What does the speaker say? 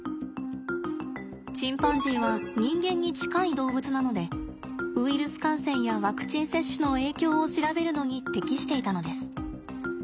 チンパンジーは人間に近い動物なのでウイルス感染やワクチン接種の影響を調べるのに適していたのです。